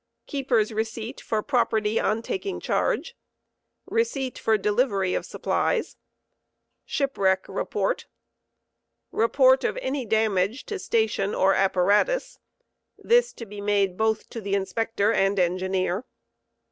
Keeper's receipt for property on taking charge. Receipt Tor delivery of supplies. Shipwreck report. Report of any damage to station or apparatus (this to be made both to the Inspector and Engineer).